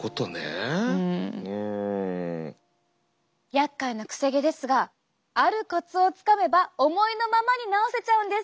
やっかいなくせ毛ですがあるコツをつかめば思いのままに直せちゃうんです。